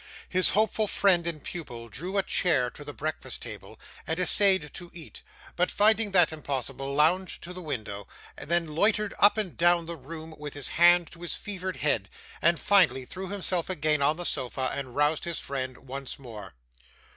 His hopeful friend and pupil drew a chair to the breakfast table, and essayed to eat; but, finding that impossible, lounged to the window, then loitered up and down the room with his hand to his fevered head, and finally threw himself again on his sofa, and roused his friend once more.